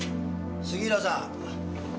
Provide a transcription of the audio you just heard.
杉浦さん。